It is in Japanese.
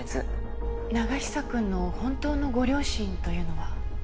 永久くんの本当のご両親というのは。